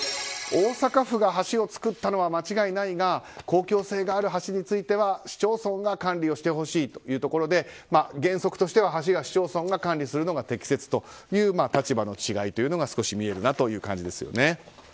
大阪府が橋を造ったのは間違いないが公共性がある橋については市町村が管理をしてほしいというところで原則としては橋は市町村が管理するのが適切だと立場の違いというのが少し見えるなという感じですよね。